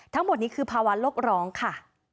ทั้งหมดนี้คือภาวะโลกร้องค่ะ